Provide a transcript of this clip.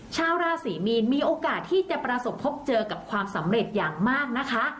ชาวราศรีมีนมีโอกาสที่จะประสบพบเจอกับความสำเร็จอย่างมากนะคะ